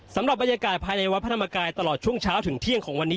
สำหรับบรรยากาศภายในวัดพระธรรมกายตลอดช่วงเช้าถึงเที่ยงของวันนี้